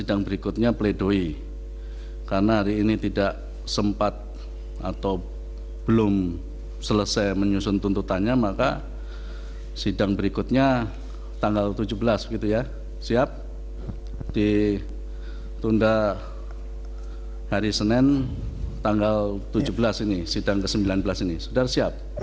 di tunda hari senin tanggal tujuh belas ini sidang ke sembilan belas ini sudah siap